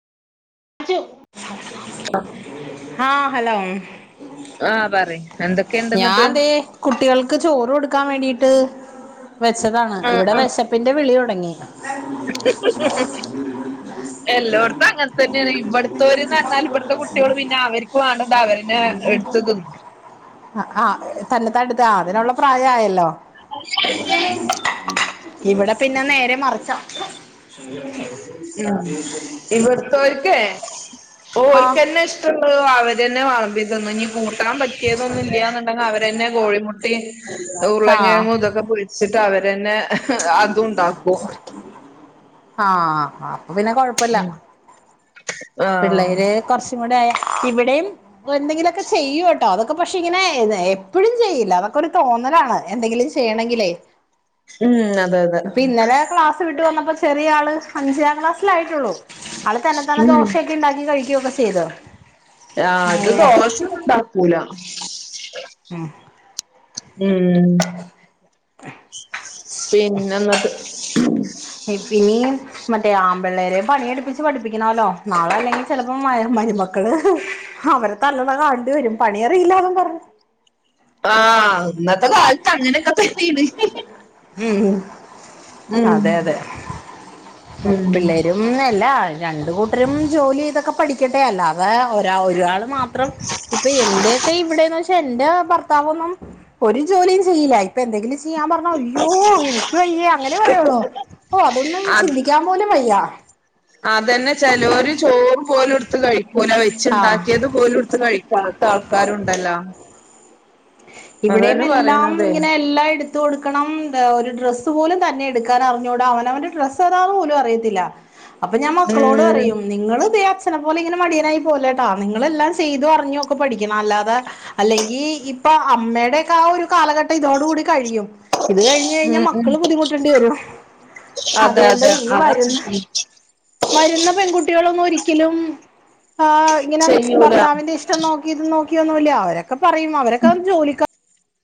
ആഹ് hello ആഹ് പറയ് എന്തൊക്കെയുണ്ട് ന്നിട്ട് ഞാൻതെ കുട്ടികൾക്ക് ചോറ് കൊടുക്കാൻ വേണ്ടീട്ട് വെച്ചതാണ് ഇവിടെ വിശപ്പിന്റെ വിളി തുടങ്ങി എല്ലോട് ത്തും അങ്ങനെ തന്നെയാണ് ഇവിടുത്തെവര്ന്ന് പറഞ്ഞാൽ ഇവിടുത്തെ കുട്ടികൾ പിന്നെ അവർക്ക് വേണെ അത് അവര് തന്ന എടുത്ത് തിന്നും ആഹ് തന്നത്താൻ എടുത്ത് ആഹ് അതിനുള്ള പ്രായആയല്ലോ [unintelligible] ഇവിടെ പിന്നെ നേരെ മറിച്ചാ ഉം ഇവിടുത്തോൽക്കേ ആഹ് ഓൽക്കന്നെ ഇഷ് ട്ടവുള്ളത് അവരന്നെ വെളമ്പിതിന്നും ഇനി കൂട്ടാൻ പറ്റിയതൊന്നും ഇല്ലന്നുണ്ടെങ്കിൽ അവരെന്നെ കോഴിമുട്ടേ ആഹ് ഉരുളംകിഴങ്ങും ഇതൊക്കെ പൊരിച്ചിട്ട് അവരന്നെ അതും ഉണ്ടാക്കും ആഹ് അപ്പൊ പിന്നെ കൊഴപ്പില്ല ഉം ആഹ് പിള്ളേര് കുറച്ചും കൂടെ ആയ ഇവിടെയും എന്തെങ്കിലുമൊക്കെ ചെയ്യൂ കേട്ടോ അതൊ പക്ഷെ ഇങ്ങനെ എപ്പഴും ചെയ്യില്ല അതൊക്കെ ഒരു തോന്നലാണ് എന്തെങ്കിലും ചെയ്യണെങ്കിലേ ഉം അതെ അതെ അപ്പൊ ഇന്നലെ ക്ലാസ് വിട്ട് വന്നപ്പോ ചെറിയ ആള് അഞ്ചാം ക്ലാസ്സിലായിട്ടുള്ളൂ ആള് തന്നെ താനെ ഉം ദോശൊക്കെ ഉണ്ടാക്കി കഴിക്കുവൊക്കെ ചെയ്ത് ആഹ് ഇത് ദോശഒന്നുംണ്ടാക്കൂല ആഹ് ഉം പിന്നെ എന്നിട്ട് [unintelligible] ഇപ്പിനി മറ്റേ ആമ്പിള്ളേരെ പണിയെടുപ്പിച്ച് പഠിപ്പിക്കണല്ലോ നാളെ അല്ലെങ്കിൽ ചിലപ്പോ മരുമക്കള് അവര് തല്ലണ കാണേണ്ടി വരും പണി അറിയില്ല എന്നും പറഞ്ഞ് ആഹ് ഇന്നത്തെ കാലത്ത് അങ്ങനെയൊക്കെ തന്നെയാണ് ഉം ഉം അതെ അതെ ഉം പിള്ളേര് ല്ല രണ്ട് കൂട്ടരും ജോലി ചെയ്തൊക്കെ പഠിക്കട്ടെ അല്ലാതെ ഒ ഒരാള് മാത്രം ഇപ്പൊ എന്റെയൊക്കെ ഇവിടേന്ന് വെച്ചാ എന്റെ ഭർത്താവ് ഒന്നും ഒരു ജോലിയും ചെയ്യില്ല ഇപ്പൊ എന്തെങ്കിലും ചെയ്യാൻ പറ അയ്യോ എനിക്ക് വയ്യേ അങ്ങനെ പറയുള്ളൂ ഓ അതൊന്നും അത് ചിന്തിക്കാൻ പോലും വയ്യ അതന്നെ ചിലരു ചോറ് പോലെടുത്ത് കഴിക്കൂല ആഹ് വെച്ചുണ്ടാക്കിയത് പോലെടുത്ത് കഴി ത്ത ആൾക്കാരുണ്ടല്ലോ ഇവിടെയും അതന്നെ എല്ലാം പറയണതേ ഇങ്ങനെ എല്ലാം എടു ത്ഥു കൊടുക്കണം ഒരു ഡ്രസ്സ് പോലും തന്നെ എടുക്കാൻ അറിഞ്ഞൂടാ അവനവന്റെ ഡ്രസ്സ് ഏതാന്ന് പോലും അറിയത്തില്ല അപ്പൊ ഞാൻ മക്കളോട് ഉം പറയും നിങ്ങള് ഇതേ അച്ഛനെ പോലെ ഇങ്ങനെ മടിയനായി പോകല്ലേട്ടാ നിങ്ങളെല്ലാം ചെയ്തു അറിഞ്ഞുവൊക്കെ പഠിക്കണം അല്ലാതെ അല്ലെങ്കി ഇപ്പൊ അമ്മയുടെയൊക്കെ ആഹ് ഒരു കാലഘട്ടം ഇതോടു കൂടി കഴിയും ഇത് കഴിഞ്ഞ് കഴിഞ്ഞാൽ ഉം ഉം മക്കള് ബുദ്ധിമുട്ടേണ്ടി വരും അതെ അതുകൊണ്ട് അതെ ഈ അത വരുന്ന് വരുന്ന പെൺകുട്ടികളൊന്നും ഒരിക്കലും ആഹ് ഇങ്ങനെ ചെയ്യൂല ഭർത്താവിന്റെ ഇഷ് ടം നോക്കി ഇത് നോക്കിയൊന്നുമല്ല അവരൊക്ക പറയും അവരൊക്കെ ജോലിക്ക